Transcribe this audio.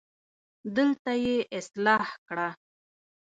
دلته يې اصلاح کړه